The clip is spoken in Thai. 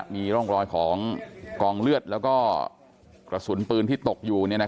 มีร่องรอยของกองเลือดแล้วก็กระสุนปืนที่ตกอยู่